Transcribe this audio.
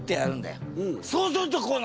そうするとこうなる。